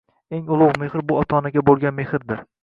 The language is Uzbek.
Eng ulug‘ mehr bu ota-onaga bo‘lgan mehrdir